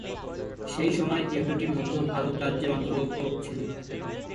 সেই সময়ে কেন্দ্রটি মধ্য ভারত রাজ্যের অন্তর্গত ছিল।